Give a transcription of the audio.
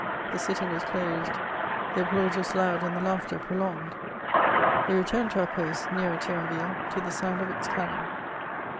The sitting was closed ; the applause was loud and the laughter prolonged. We returned to our posts nearer Thionville, to the sound of its cannon.